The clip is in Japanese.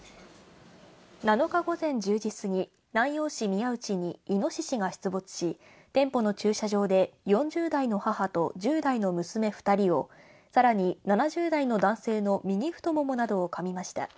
７日午前１０時過ぎ、南陽市宮内にイノシシが出没し、店舗の駐車場で、４０代の母と１０代の娘２人を、さらに７０代の男性の右太ももなどをかみました。